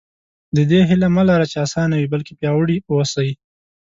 د دې هیله مه لره چې اسانه وي بلکې پیاوړي اوسئ.